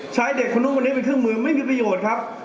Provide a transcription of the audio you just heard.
ใช้เด็กคนนู้นคนนี้เป็นเครื่องมือไม่มีประโยชน์ครับ